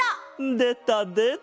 でたでた！